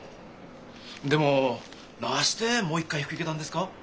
でもなしてもう一回引き受けたんですか？